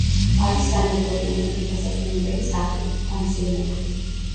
არის სანატორიუმები, დასასვენებელი სახლები, პანსიონატები.